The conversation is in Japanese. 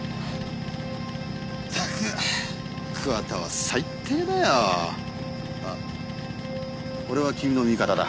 ったく桑田は最低だよあっ俺は君の味方だ